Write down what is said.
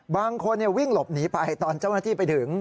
บางคนวิ่งหลบหนีไปตอนเจ้าหน้าที่ไปถึง